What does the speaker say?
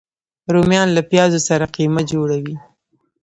رومیان له پیازو سره قیمه جوړه وي